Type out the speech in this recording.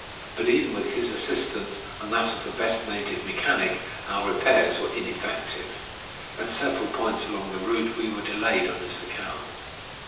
But even with his assistance, and that of the best native mechanic, our repairs were ineffective. At several points along the route we were delayed on this account.